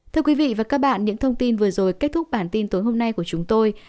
thưa quý vị và các bạn những thông tin vừa rồi kết thúc bản tin tối hôm nay của chúng tôi